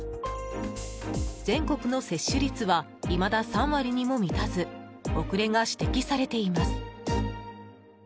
全国の接種率はいまだ３割にも満たず遅れが指摘されています。